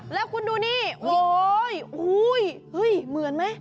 แล้วคุณดูนี่โอ้ยโอ้ยเฮ้ยเหมือนมั้ย